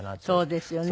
そうですよね。